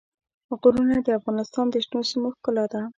غرونه د افغانستان د شنو سیمو ښکلا ده.